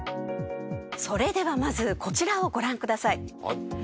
それではまずこちらをご覧ください。